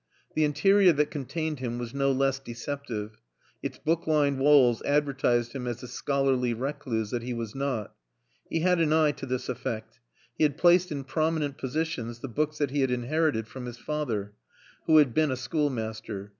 The interior that contained him was no less deceptive. Its book lined walls advertised him as the scholarly recluse that he was not. He had had an eye to this effect. He had placed in prominent positions the books that he had inherited from his father, who had been a schoolmaster.